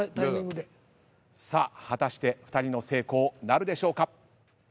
果たして２人の成功なるでしょうか。